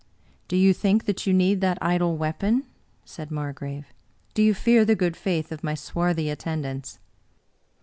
" Do you think that you need that idle weapon ?" said Margrave. " Do you fear the good faith of my swarthy attendants?"